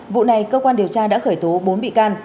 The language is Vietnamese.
vụ này cơ quan điều tra đã khởi tố bốn bị can